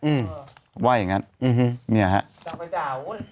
เอิ่มว่าอย่างงั้นเออหึนี่อ่ะฮะตลาดไปทำ